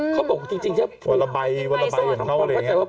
เขาบอกจริงวันละใบวันละใบอย่างนอกอะไรอย่างเนี่ย